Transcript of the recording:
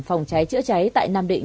phòng cháy chữa cháy tại nam định